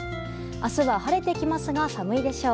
明日は晴れてきますが寒いでしょう。